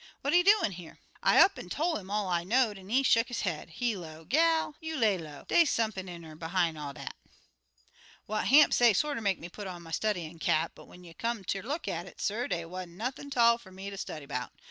What he doin' here?' I up an' tol' 'im all I know'd, an' he shuck his head; he low, 'Gal, you lay low. Dey's sump'n n'er behime all dat.' "What Hamp say sorter make me put on my studyin' cap; but when you come ter look at it, suh, dey wa'n't nothin' 'tall fer me ter study 'bout.